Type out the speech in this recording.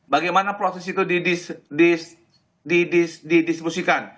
bagaimana proses itu didiskusikan